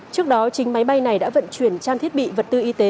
trước đó chính máy bay này đã vận chuyển trang thiết bị vật tư y tế